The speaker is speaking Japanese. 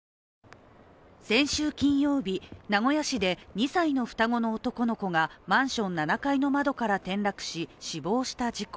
先週金曜日、名古屋市で２歳の双子の男の子がマンション７階の窓から転落し、死亡した事故。